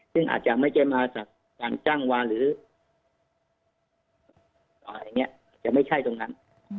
ซึ่งอาจจะไม่ใช่มาจากการจ้างวานหรืออะไรอย่างนี้อาจจะไม่ใช่ตรงนั้น